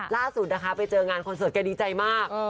ล่าสุดภาพไปเจอกันงานคอนเซิร์ตเขาดีใจมาก